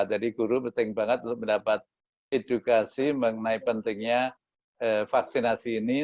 jadi guru penting banget untuk mendapat edukasi mengenai pentingnya vaksinasi ini